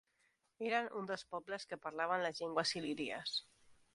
Eren un dels pobles que parlaven les llengües il·líries.